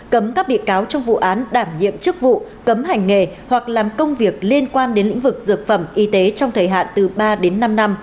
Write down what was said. cấm các bị cáo trong vụ án đảm nhiệm chức vụ cấm hành nghề hoặc làm công việc liên quan đến lĩnh vực dược phẩm y tế trong thời hạn từ ba đến năm năm